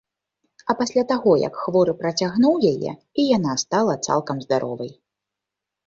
А пасля таго, як хворы працягнуў яе, і яна стала цалкам здаровай.